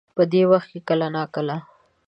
په دې وخت کې کله نا کله